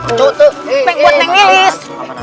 neng buat neng lilis